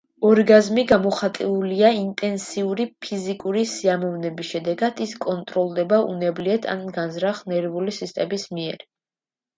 ორგაზმი გამოხატულია ინტენსიური ფიზიკური სიამოვნების შედეგად, ის კონტროლდება უნებლიეთ ან განზრახ ნერვული სისტემის მიერ.